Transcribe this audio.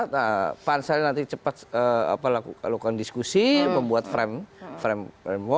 nah pansel nanti cepat lakukan diskusi membuat framework